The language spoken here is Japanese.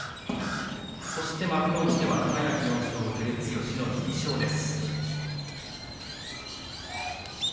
そして幕内では輝４勝、照強の２勝です。